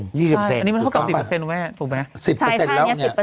ต่อจาก๒๐